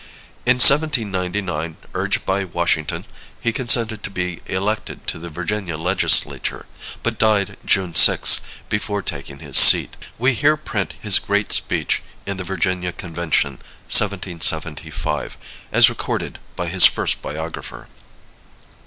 In 1799, urged by Washington, he consented to be elected to the Virginia Legislature, but died June 6, before taking his seat. We here print his great speech in the Virginia Conventon, 1775, as recorded by his first biographer.